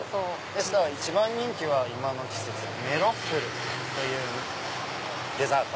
でしたら一番人気は今の季節メロッフルというデザート。